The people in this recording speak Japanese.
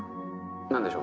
何でしょう？